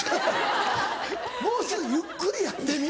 ・もうちょいゆっくりやってみ。